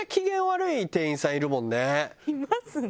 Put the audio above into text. いますね。